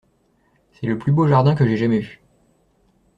C’est le plus beau jardin que j’aie jamais vu.